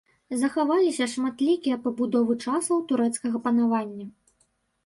Захаваліся шматлікія пабудовы часоў турэцкага панавання.